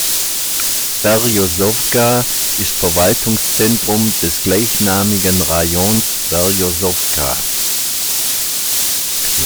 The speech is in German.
Berjosowka ist Verwaltungszentrum des gleichnamigen Rajons Berjosowka.